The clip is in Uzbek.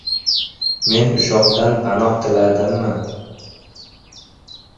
Men ushoqdan panoh tiladimi?